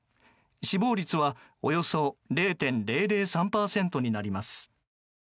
死亡率はおよそ０．００３％になります。